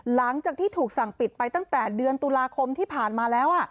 หลังจากที่ถูกสั่งปิดไปตั้งแต่เดือนตุลาคมที่ผ่านมาแล้ว